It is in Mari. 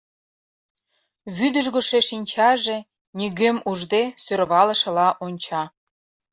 Вӱдыжгышӧ шинчаже, — нигӧм ужде, сӧрвалышыла онча.